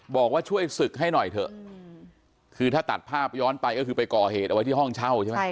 บอกว่าช่วยศึกให้หน่อยเถอะคือถ้าตัดภาพย้อนไปก็คือไปก่อเหตุเอาไว้ที่ห้องเช่าใช่ไหม